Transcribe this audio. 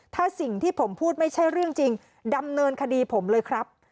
ถ้าสิ่งที่ผมพูดไม่ใช่เรื่องจริงดำเนินคดีผมเลยครับ